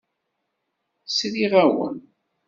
Sriɣ-awen.